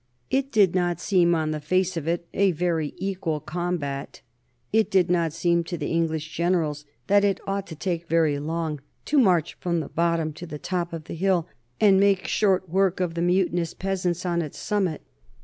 It did not seem on the face of it a very equal combat; it did not seem to the English generals that it ought to take very long to march from the bottom to the top of the hill and make short work of the mutinous peasants on its summit.